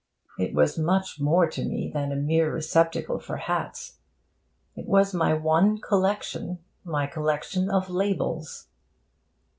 It was much more to me than a mere receptacle for hats. It was my one collection, my collection of labels.